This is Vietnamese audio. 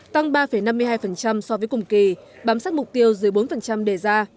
tăng ba năm mươi hai so với cùng kỳ bám sát mục tiêu dưới bốn đề ra